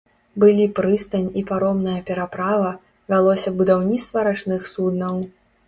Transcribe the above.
Былі прыстань і паромная пераправа, вялося будаўніцтва рачных суднаў.